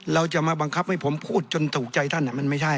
เราจะมาบังคับให้ผมพูดจนถูกใจท่านมันไม่ใช่